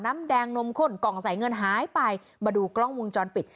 น้ำแดงนมข้นกล่องใส่เงินหายไปมาดูกล้องวงจรปิด